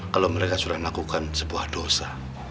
kalau mereka sudah melakukan sebuah dosa